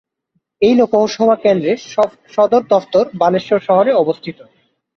এই লোকসভা কেন্দ্রর সদর দফতর বালেশ্বর শহরে অবস্থিত।